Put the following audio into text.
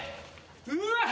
うわっ！